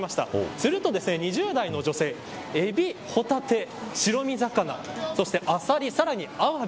すると、２０代の女性エビ、ホタテ、白身魚そしてアサリ、さらにアワビ